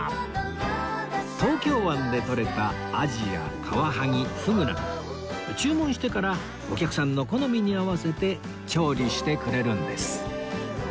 東京湾でとれたアジやカワハギフグなど注文してからお客さんの好みに合わせて調理してくれるんです